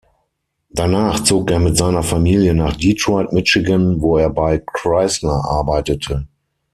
Danach zog er mit seiner Familie nach Detroit, Michigan, wo er bei Chrysler arbeitete.